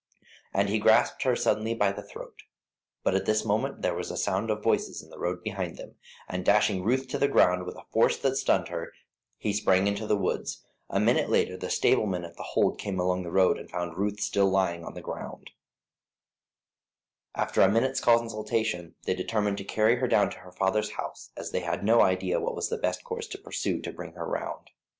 And he grasped her suddenly by the throat; but at this moment there was a sound of voices in the road behind them, and dashing Ruth to the ground with a force that stunned her, he sprang into the woods. A minute later the stablemen at The Hold came along the road and found Ruth still lying on the ground. [Illustration: "He grasped her suddenly by the throat."] After a minute's consultation they determined to carry her down to her father's house, as they had no idea what was the best course to pursue to bring her round.